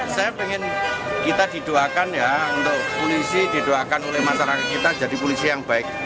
saya ingin kita didoakan ya untuk polisi didoakan oleh masyarakat kita jadi polisi yang baik